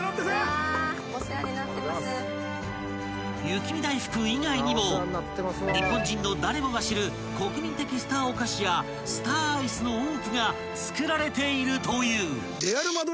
［雪見だいふく以外にも日本人の誰もが知る国民的スターお菓子やスターアイスの多くが作られているという］